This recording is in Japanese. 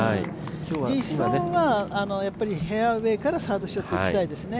理想はフェアウエーからサードショットを打ちたいですよね。